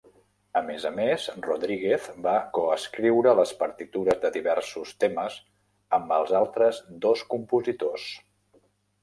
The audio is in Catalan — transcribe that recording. A més a més, Rodríguez va coescriure les partitures de diversos temes amb els altres dos compositors.